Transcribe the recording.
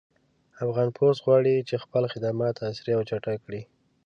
افغان پُست غواړي چې خپل خدمات عصري او چټک کړي